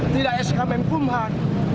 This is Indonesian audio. tidak sk menteri yasona